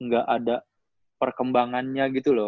gak ada perkembangannya gitu loh